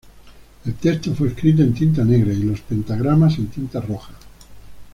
El texto fue escrito en tinta negra y los pentagramas en tinta roja.